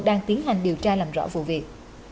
đang tiến hành điều tra làm rõ vụ việc